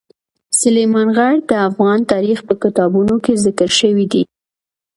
سلیمان غر د افغان تاریخ په کتابونو کې ذکر شوی دي.